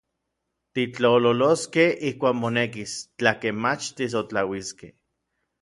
Titlololoskej ijkuak monekis, tlakej mach tisotlauiskej.